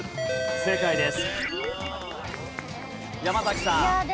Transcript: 正解です。